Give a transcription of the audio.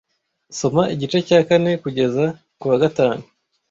Soma igice cya kane kugeza kuwa gatanu.